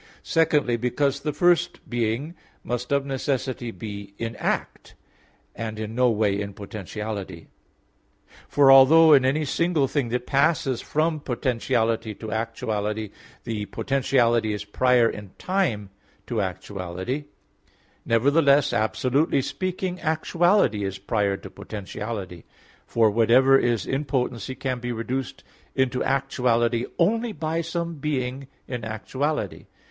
Secondly, because the first being must of necessity be in act, and in no way in potentiality. For although in any single thing that passes from potentiality to actuality, the potentiality is prior in time to the actuality; nevertheless, absolutely speaking, actuality is prior to potentiality; for whatever is in potentiality can be reduced into actuality only by some being in actuality.